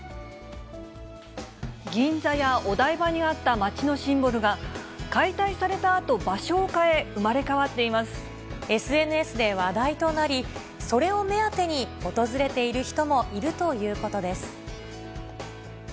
銀座やお台場にあった街のシンボルが、解体されたあと、場所を変え、生まれ変わっていまＳＮＳで話題となり、それを目当てに訪れている人もいるということです。